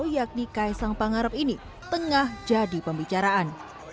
yakni kaisang pangarep ini tengah jadi pembicaraan